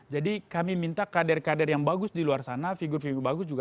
jadi kami minta kader kader yang bagus di luar sana figur figur bagus juga